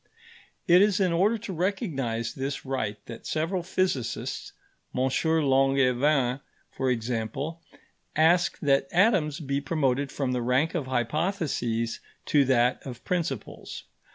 It is in order to recognise this right that several physicists M. Langevin, for example ask that atoms be promoted from the rank of hypotheses to that of principles.